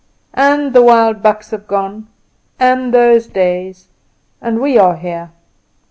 "And the wild bucks have gone, and those days, and we are here.